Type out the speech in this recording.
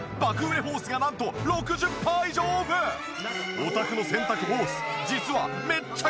お宅の洗濯ホース実はめっちゃ危険かも！